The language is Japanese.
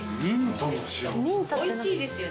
おいしいですよね